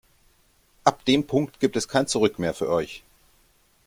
Ab dem Punkt gibt es kein Zurück mehr für euch.